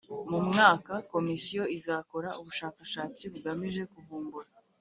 Mu mwaka Komisiyo izakora ubushakashatsi bugamije kuvumbura